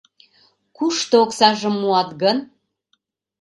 Кушто оксажым муат гын?